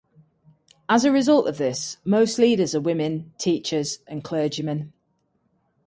As a result of this, most leaders are women, teachers and clergymen.